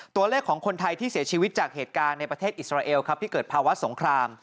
ตัวเลขของคนไทยที่เสียชีวิตจากเหตุการณ์ในประเทศอิสราเอลครับที่เกิดภาวะสงคราม